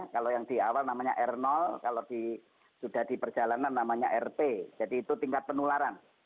kalau yang di awal namanya r kalau sudah di perjalanan namanya rt jadi itu tingkat penularan